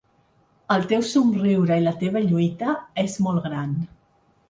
El teu somriure i la teva lluita és molt gran.